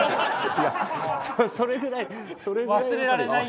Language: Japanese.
いやそれぐらいそれぐらい。